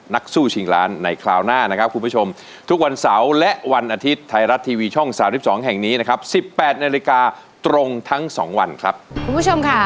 นักสู้ชิงล้านในคราวหน้านะครับคุณผู้ชม